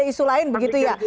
isu lain begitu ya